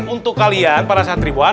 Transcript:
untuk kalian para satribuan